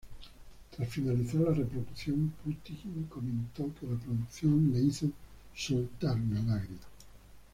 Tras finalizar la reproducción, Putin comentó que la producción le hizo "soltar una lágrima".